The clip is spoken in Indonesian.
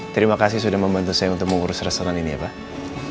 terima kasih sudah membantu saya untuk mengurus restoran ini ya pak